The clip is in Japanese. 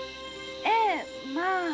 ええまぁ。